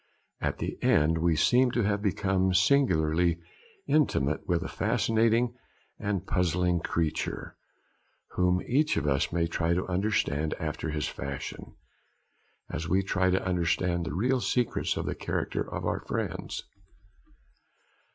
At the end we seem to have become singularly intimate with a fascinating and puzzling creature, whom each of us may try to understand after his fashion, as we try to understand the real secrets of the character of our friends.